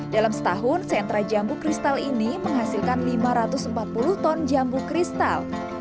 dalam setahun sentra jambu kristal ini menghasilkan lima ratus empat puluh ton jambu kristal